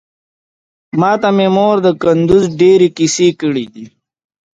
ماته مې مور د کندوز ډېرې کيسې کړې دي.